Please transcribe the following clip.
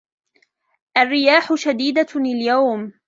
الرياح شديدة اليوم.